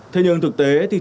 thế nhưng thực tế thì không